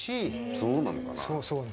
そうなのかな。